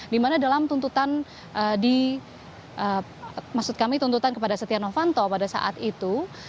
dimana dalam tuntutan di maksud kami tuntutan kepada setia novanto pada saat itu